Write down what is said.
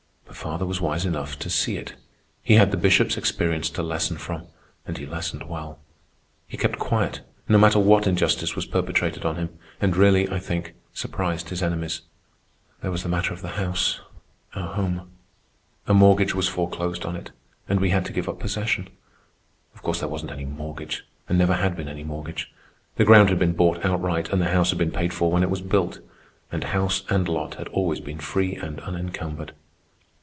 But father was wise enough to see it. He had the Bishop's experience to lesson from, and he lessoned well. He kept quiet no matter what injustice was perpetrated on him, and really, I think, surprised his enemies. There was the matter of the house—our home. A mortgage was foreclosed on it, and we had to give up possession. Of course there wasn't any mortgage, and never had been any mortgage. The ground had been bought outright, and the house had been paid for when it was built. And house and lot had always been free and unencumbered.